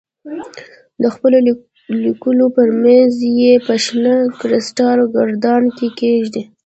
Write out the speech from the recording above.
د خپلو لیکلو پر مېز یې په شنه کریسټال ګلدان کې کېږدې.